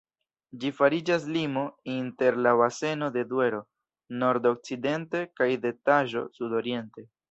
Ĝi fariĝas limo inter la baseno de Duero, nordokcidente, kaj de Taĵo, sudoriente.